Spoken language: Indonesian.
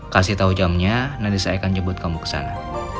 kasih tahu jamnya nanti saya akan jemput kamu ke sana